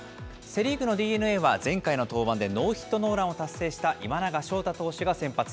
セ・リーグのＤｅＮＡは、前回の登板でノーヒットノーランを達成した今永昇太投手が先発。